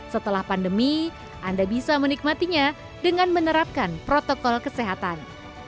setelah pandemi anda bisa menikmatinya dengan menerapkan protokol kesehatan